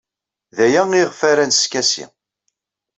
D aya ayɣef ara neskasi.